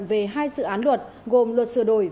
về hai dự án luật gồm luật sửa đổi